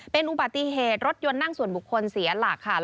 เป็นอุบัติเหตุรถยนต์นั่งส่วนบุคคลเสียหลักค่ะ